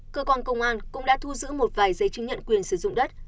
cơ quan công an cũng đã thu giữ một vài giấy chứng nhận quyền sử dụng đất